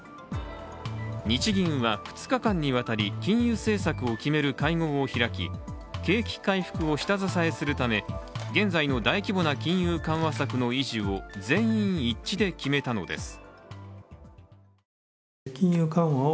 日銀は、２日間にわたり金融政策を決める会合を開き、景気回復を下支えするため現在の大規模な金融緩和策の維持を全員一致で決めたのです。